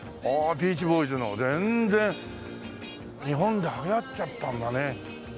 ビーチ・ボーイズの全然日本で流行っちゃったんだね。